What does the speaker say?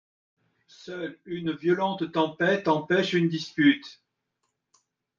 Seule une violente tempête empêche une dispute.